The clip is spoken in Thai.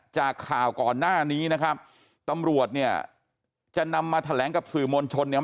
จากข่าวก่อนหน้านี้นะครับตำรวจเนี่ยจะนำมาแถลงกับสื่อมวลชนเนี่ย